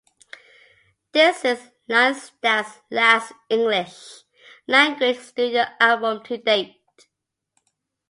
This is Lyngstad's last English language studio album to date.